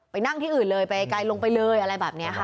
นั่งที่อื่นเลยไปไกลลงไปเลยอะไรแบบนี้ค่ะ